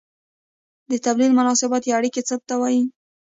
د توليد مناسبات یا اړیکې څه ته وايي؟